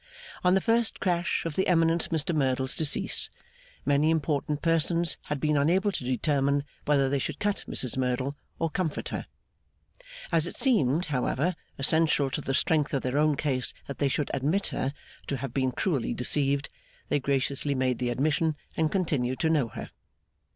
On the first crash of the eminent Mr Merdle's decease, many important persons had been unable to determine whether they should cut Mrs Merdle, or comfort her. As it seemed, however, essential to the strength of their own case that they should admit her to have been cruelly deceived, they graciously made the admission, and continued to know her.